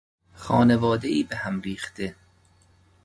خانوادهای به هم ریخته